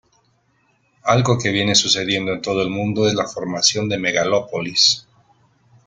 Algo que viene sucediendo en todo el mundo es la formación de megalópolis.